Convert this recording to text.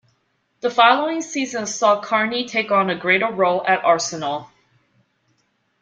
The following season saw Carney take on a greater role at Arsenal.